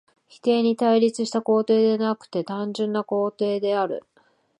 否定に対立した肯定でなくて単純な肯定である。